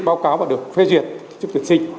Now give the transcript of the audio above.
báo cáo và được phê duyệt cho tuyển sinh